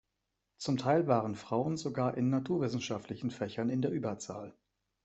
Zum Teil waren Frauen sogar in naturwissenschaftlichen Fächern in der Überzahl.